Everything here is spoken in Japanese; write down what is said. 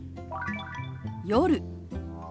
「夜」。